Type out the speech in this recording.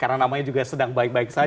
karena namanya juga sedang baik baik saja